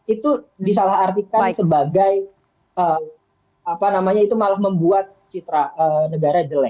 itu disalah artikan sebagai itu malah membuat negara jelek